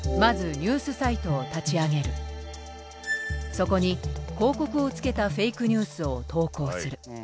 そこに広告をつけたフェイクニュースを投稿する。